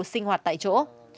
sinh hoạt tại chỗ